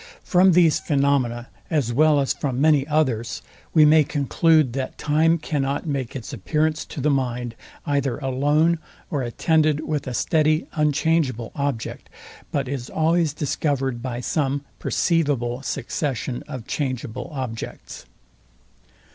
From these phenomena, as well as from many others, we may conclude, that time cannot make its appearance to the mind, either alone, or attended with a steady unchangeable object, but is always discovered some PERCEIVABLE succession of changeable objects.